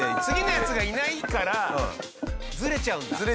次のやつがいないからズレちゃうんだ。